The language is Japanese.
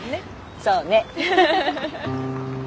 そうね。